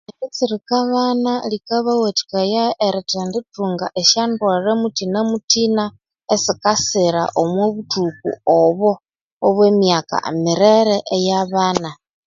Eritsirika abana likabawathikaya erithendithunga esya ndwalha muthina muthina esikasira omo buthuku obo obwe emyaka mirere eya abana